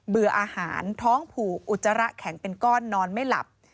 เบื่ออาหารท้องผูอุจจาระแข็งเป็นก้อนนอนไม่หลับ